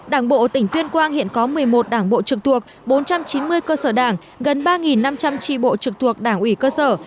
đảng bộ tỉnh tuyên quang hiện có một mươi một đảng bộ trực thuộc bốn trăm chín mươi cơ sở đảng gần ba năm trăm linh tri bộ trực thuộc đảng ủy cơ sở